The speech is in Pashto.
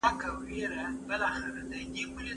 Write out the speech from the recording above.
موږ کولای شو د یو ټولنیز وضعیت په اړه روښانه درک ولرو.